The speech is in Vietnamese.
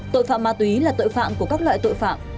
tội phạm ma túy là tội phạm của các loại tội phạm